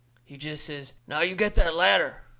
He jest says: "Now, you get that ladder."